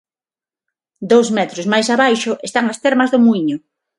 Dous metros máis abaixo, están as termas do muíño.